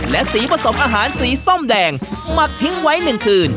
และสีผสมอาหารสีส้มแดงหมักทิ้งไว้๑คืน